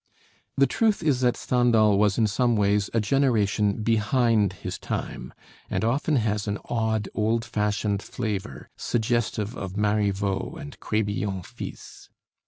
The truth is that Stendhal was in some ways a generation behind his time, and often has an odd, old fashioned flavor suggestive of Marivaux and Crébillon fils.